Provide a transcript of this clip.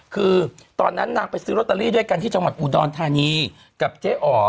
คือตอนนั้นนางไปซื้อลอตเตอรี่ด้วยกันที่จังหวัดอุดรธานีกับเจ๊อ๋อ